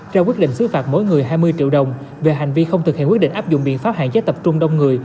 ra quyết định xứ phạt mỗi người hai mươi triệu đồng về hành vi không thực hiện quyết định áp dụng biện pháp hạn chế tập trung đông người